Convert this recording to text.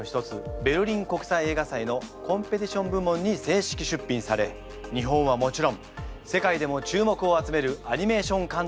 ベルリン国際映画祭のコンペティション部門に正式出品され日本はもちろん世界でも注目を集めるアニメーション監督であります。